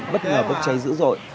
bất ngờ bất cháy dữ dội